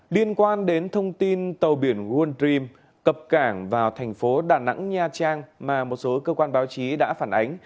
liên quan đến thông tin tàu biển wond dream cập cảng vào thành phố đà nẵng nha trang mà một số cơ quan báo chí đã phản ánh